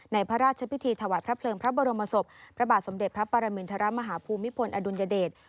พระราชพิธีถวายพระเพลิงพระบรมศพพระบาทสมเด็จพระปรมินทรมาฮภูมิพลอดุลยเดช